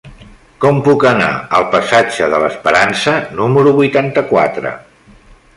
Com puc anar al passatge de l'Esperança número vuitanta-quatre?